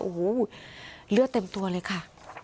โอ้โหเลือดเต็มตัวเลยค่ะ